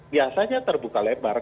biasanya terbuka lebar